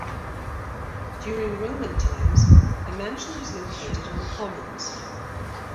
During Roman times, a mansion was located on the commons.